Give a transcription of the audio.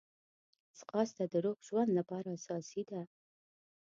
ځغاسته د روغ ژوند لپاره اساسي ده